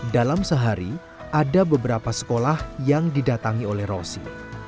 dalam sehari ada beberapa sekolah yang didatangi oleh rosi